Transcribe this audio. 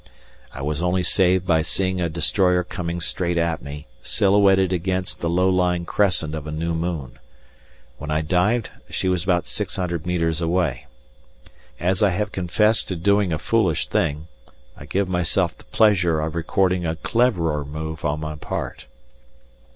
I was only saved by seeing a destroyer coming straight at me, silhouetted against, the low lying crescent of a new moon. When I dived she was about six hundred metres away. As I have confessed to doing a foolish thing, I give myself the pleasure of recording a cleverer move on my part.